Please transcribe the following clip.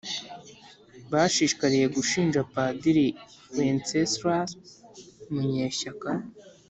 bashishikariye gushinja padiri wenceslas munyeshyaka,